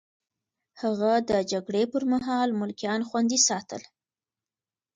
هغه د جګړې پر مهال ملکيان خوندي ساتل.